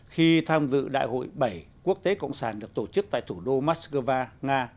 khi tham dự đại hội bảy quốc tế cộng sản được tổ chức tại thủ đô moscow nga